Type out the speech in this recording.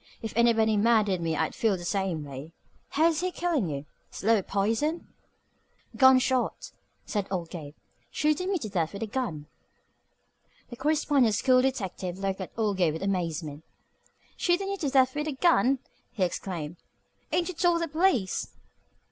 If anybody murdered me I'd feel the same way. How's he killing you? Slow poison?" "Gun shot," said old Gabe. "Shootin' me to death with a gun." The correspondence school detective looked at old Gabe with amazement. "Shootin' you to death with a gun!" he exclaimed. "Ain't you told the police?"